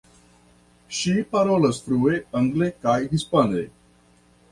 Ŝi parolas flue angle kaj hispane.